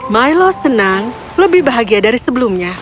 milo senang lebih bahagia dari sebelumnya